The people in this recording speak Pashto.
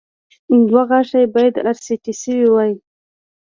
دوه غاښه يې باید ار سي ټي شوي وای